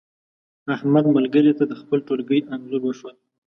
احمد ملګري ته د خپل ټولگي انځور وښود.